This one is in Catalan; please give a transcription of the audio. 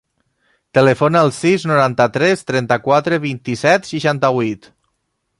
Telefona al sis, noranta-tres, trenta-quatre, vint-i-set, seixanta-vuit.